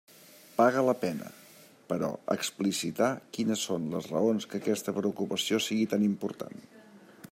Paga la pena, però, explicitar quines són les raons que aquesta preocupació siga tan important.